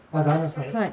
はい。